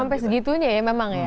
sampai segitunya ya memang ya